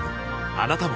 あなたも